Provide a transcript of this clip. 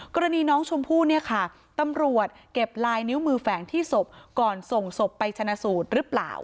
กรณีน้องชมพู่เนี่ยค่ะตำรวจเก็บลายนิ้วมือแฝงที่ศพก่อนส่งศพไปชนะสูตรหรือเปล่า